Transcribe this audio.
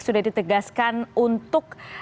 sudah ditegaskan untuk